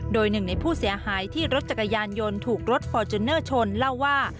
โดยหนึ่งในผู้เสียหายที่รถจักรยานยนต์ถูกรถฟอร์จูเนอร์ชนเล่าว่า